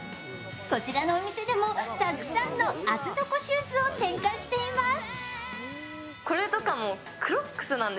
こちらのお店でもたくさんの厚底シューズを展開しています。